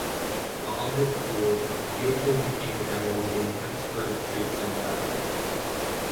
While Albert ruled, Leopold became a general leading Habsburg troops in battle.